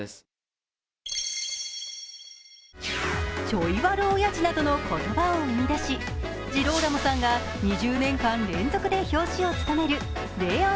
チョイ悪オヤジなどの言葉を生み出し、ジローラモさんが２０年間連続で表紙をつとめる「ＬＥＯＮ」。